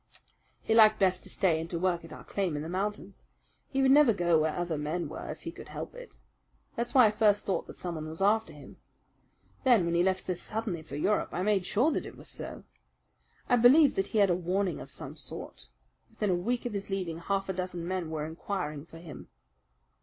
"He liked best to stay and to work at our claim in the mountains. He would never go where other men were if he could help it. That's why I first thought that someone was after him. Then when he left so suddenly for Europe I made sure that it was so. I believe that he had a warning of some sort. Within a week of his leaving half a dozen men were inquiring for him."